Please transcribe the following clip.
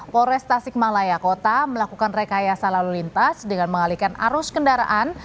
polres tasikmalaya kota melakukan rekayasa lalu lintas dengan mengalihkan arus kendaraan